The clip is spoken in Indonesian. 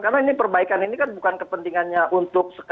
karena ini perbaikan ini kan bukan kepentingannya untuk sekedar misalnya